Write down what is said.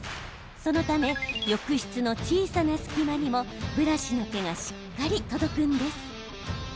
そのため浴室の小さな隙間にもブラシの毛がしっかり届くんです。